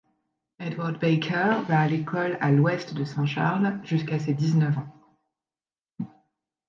Edward Baker va à l'école à l'ouest de Saint-Charles jusqu'à ses dix-neuf ans.